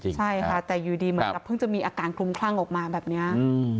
ใช่ค่ะแต่อยู่ดีเหมือนกับเพิ่งจะมีอาการคลุมคลั่งออกมาแบบนี้